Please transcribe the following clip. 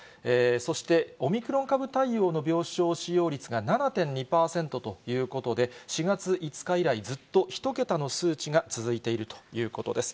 そして、オミクロン株対応の病床使用率が７．２％ということで、４月５日以来、ずっと１桁の数値が続いているということです。